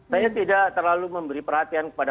saya tidak terlalu memberi perhatian kepada